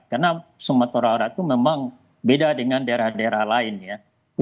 karena semetra barat itu memang beda dengan daerah daerah lain ya